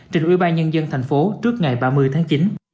trình ủy ban nhân dân thành phố trước ngày ba mươi tháng chín